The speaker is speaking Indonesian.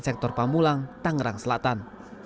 sektor pamulang tangerang selatan